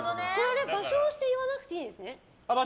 場所を指定して言わなくていいんですね。